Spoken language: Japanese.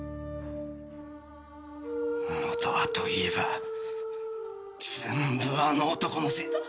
元はといえば全部あの男のせいだ。